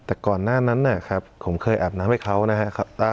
แต่ก่อนหน้านั้นนะครับผมเคยอาบน้ำให้เขานะครับ